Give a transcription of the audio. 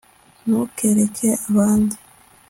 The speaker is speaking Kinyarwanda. ntukereke abandi